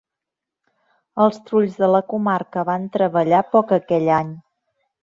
Els trulls de la comarca van treballar poc aquell any.